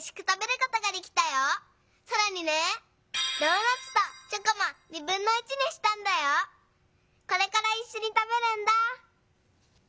これからいっしょにたべるんだ」。